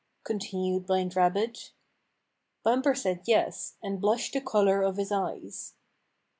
continued Blind Rabbit. Bumper said yes, and blushed the color of his eyes.